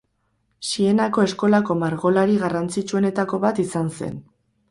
Sienako eskolako margolari garrantzitsuenetako bat izan zen.